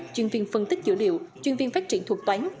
chuyên viên phân tích dữ liệu chuyên viên phát triển thuộc toán